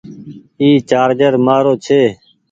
اي چآرجر مآرو ڇي ۔